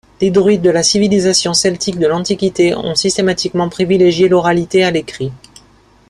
Les druides de la civilisation celtique de l’Antiquité ont systématiquement privilégié l’oralité à l’écrit.